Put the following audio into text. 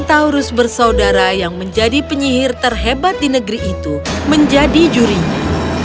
taurus bersaudara yang menjadi penyihir terhebat di negeri itu menjadi jurinya